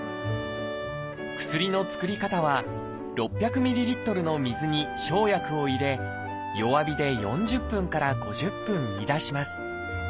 薬の作り方は６００ｍＬの水に生薬を入れ弱火で４０分から５０分煮出します。